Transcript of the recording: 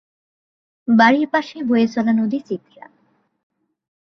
বাড়ির পাশেই বয়ে চলা নদী চিত্রা।